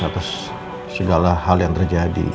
atas segala hal yang terjadi